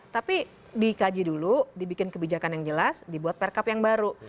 tapi dikaji dulu dibikin kebijakan yang jelas dibuat perkap yang baru